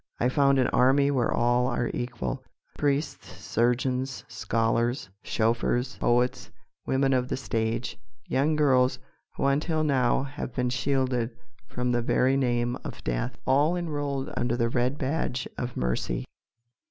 I found an army where all are equal priests, surgeons, scholars, chauffeurs, poets, women of the stage, young girls who until now have been shielded from the very name of death all enrolled under the red badge of mercy.